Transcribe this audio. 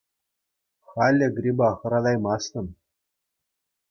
Халӗ гриппа хӑратаймастӑн.